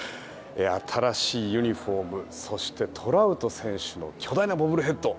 新しいユニホームそしてトラウト選手の巨大なボブルヘッド